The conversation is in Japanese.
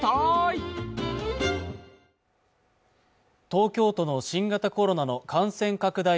東京都の新型コロナの感染拡大